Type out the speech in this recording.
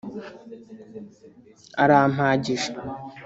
Arampagije